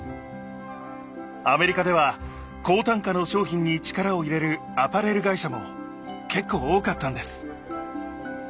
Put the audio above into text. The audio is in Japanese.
アメリカでは高単価の商品に力を入れるアパレル会社も結構多かったんです。